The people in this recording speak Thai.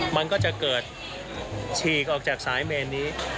มันก็จะเกิดฉีกออกจากสายเมนนี้